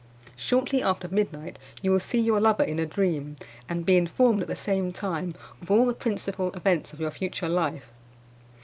Shortly after midnight, you will see your lover in a dream, and be informed at the same time of all the principal events of your future life.